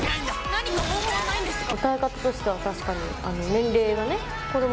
何か方法はないんですか。